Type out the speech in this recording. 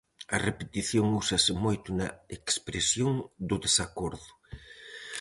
A repetición úsase moito na expresión do desacordo.